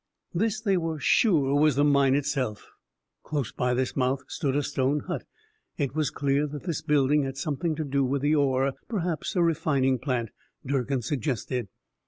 This, they were sure, was the mine itself. Close by this mouth stood a stone hut. It was clear that this building had something to do with the ore, perhaps a refining plant, Durkin suggested.